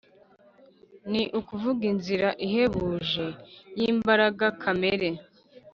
ni ukuvuga inzira ihebuje y’imbaraga kamere,